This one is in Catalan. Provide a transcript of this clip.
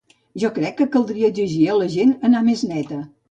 Jo crec que caldria exigir a la gent anar més neta.